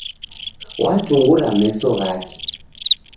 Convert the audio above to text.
Watungura meso ghake.